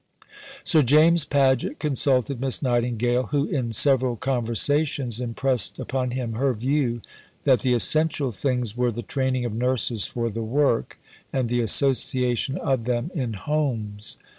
Sir James Paget consulted Miss Nightingale, who, in several conversations, impressed upon him her view that the essential things were the training of nurses for the work, and the association of them in "Homes."